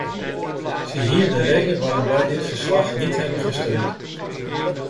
Ziehier de reden waarom we dit verslag niet hebben gesteund.